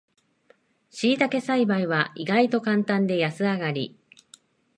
しいたけ栽培は意外とカンタンで安上がり